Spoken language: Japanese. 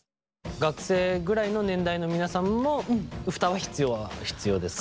学生ぐらいの年代の皆さんもフタは必要は必要ですか？